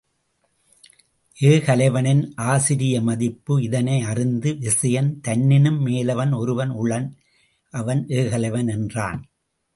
ஏகலைவனின் ஆசிரிய மதிப்பு இதனை அறிந்து விசயன் தன்னினும் மேலவன் ஒருவன் உளன் அவன் ஏகலைவன் என்றான்.